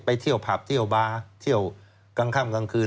เที่ยวผับเที่ยวบาร์เที่ยวกลางค่ำกลางคืน